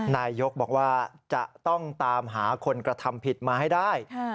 นายยกบอกว่าจะต้องตามหาคนกระทำผิดมาให้ได้